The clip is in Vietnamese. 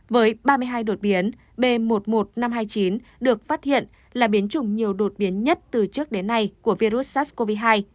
với ba mươi hai đột biến b một mươi một nghìn năm trăm hai mươi chín được phát hiện là biến chủng nhiều đột biến nhất từ trước đến nay của virus sars cov hai